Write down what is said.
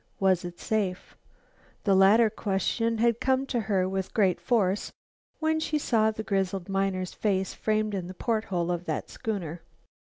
Was it safe? The latter question had come to her with great force when she saw the grizzled miner's face framed in the porthole of that schooner.